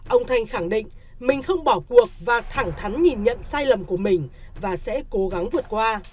ông thanh khẳng định mình không bỏ cuộc và thẳng thắn nhìn nhận sai lầm của mình và sẽ cố gắng vượt qua